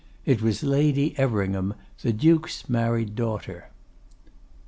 It was Lady Everingham, the Duke's married daughter.